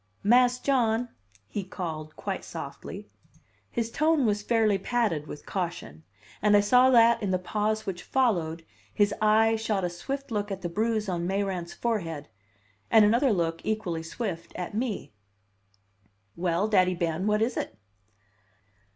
"Mas' John!" he called quite softly. His tone was fairly padded with caution, and I saw that in the pause which followed, his eye shot a swift look at the bruise on Mayrant's forehead, and another look, equally swift, at me. "Well, Daddy Ben, what is it?"